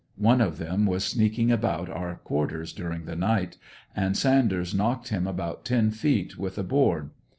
One of them was sneakmg about our quarters during the night, and Sanders knocked him about ten feet with a board.